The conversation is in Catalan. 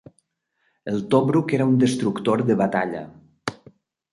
El "Tobruk" era un destructor de batalla.